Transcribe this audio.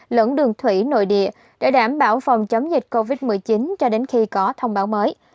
lẫn đường thủy nội địa để đảm bảo phòng chống dịch covid một mươi chín cho đến khi có thông báo mới